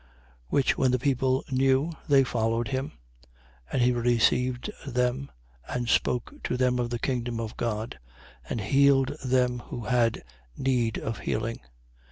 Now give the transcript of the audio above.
9:11. Which when the people knew, they followed him: and he received them and spoke to them of the kingdom of God and healed them who had need of healing.